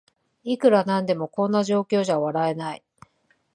いくらなんでもこんな状況じゃ笑えない